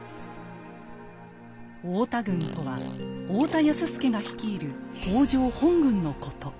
「太田軍」とは太田康資が率いる北条本軍のこと。